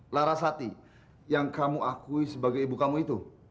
lara sati yang kamu akui sebagai ibu kamu itu